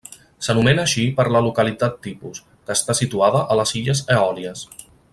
S'anomena així per la localitat tipus, que està situada a les illes Eòlies.